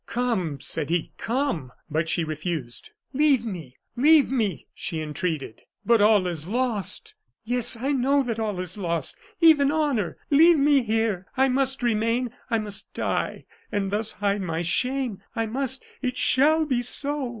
"Come!" said he, "come!" But she refused. "Leave me, leave me!" she entreated. "But all is lost!" "Yes, I know that all is lost even honor. Leave me here. I must remain; I must die, and thus hide my shame. I must, it shall be so!"